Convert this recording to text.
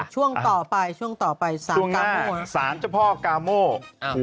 เช่นช่วงต่อไปสามกาโมก่อน